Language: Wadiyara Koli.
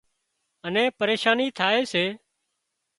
اين پريشانِي ٿائي سي